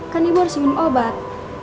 kan ibu harus minum obat